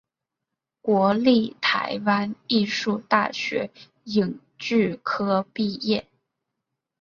国立台湾艺术大学影剧科毕业。